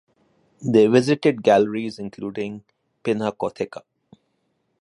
They visited galleries including Pinacotheca.